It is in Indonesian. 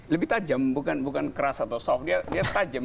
lebih tajam bukan keras atau soft dia tajam